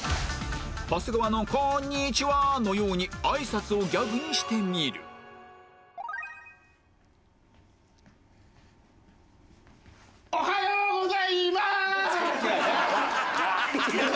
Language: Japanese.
長谷川の「こんにちは！！」のように挨拶をギャグにしてみるおはようございます！！